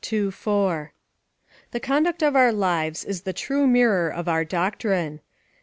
ii. 4.] The conduct of our lives is the true mirror of our doctrine.